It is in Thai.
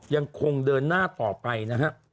ยังคงเดินหน้าต่อไปนะฮะ